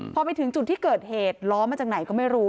พอไปถึงจุดที่เกิดเหตุล้อมาจากไหนก็ไม่รู้